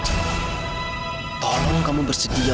tolong kamu bersedia